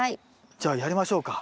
じゃあやりましょうか。